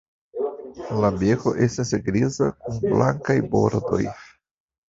La beko estas griza kun blankaj bordoj.